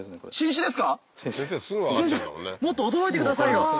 もっと驚いてくださいよ！